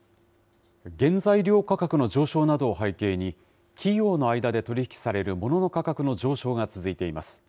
原材料価格の上昇などを背景に、企業の間で取り引きされるものの価格の上昇が続いています。